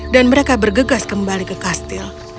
dan mereka bergegas kembali ke kastil